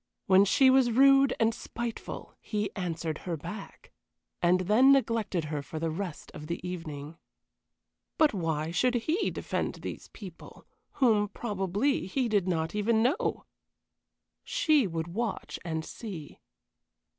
When she was rude and spiteful he answered her back, and then neglected her for the rest of the evening. But why should he defend these people, whom, probably, he did not even know? She would watch and see.